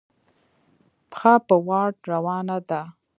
پښه په واټ روانه ده.